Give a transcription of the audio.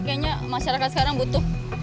kayaknya masyarakat sekarang butuh